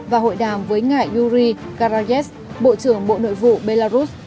và hội đàm với ngài yuri karagez bộ trưởng bộ nội vụ belarus